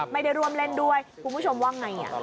ไม่ได้ร่วมเล่นด้วยคุณผู้ชมว่าไง